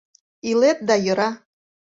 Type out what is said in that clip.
Илет да йӧра.